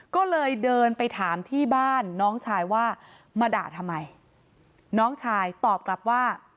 ก็เลยเดินไปถามที่บ้านน้องชายว่ามาด่าทำไมน้องชายตอบกลับว่า